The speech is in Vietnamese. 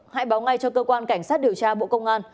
hãy báo ngay cho cơ quan cảnh sát điều tra bộ công an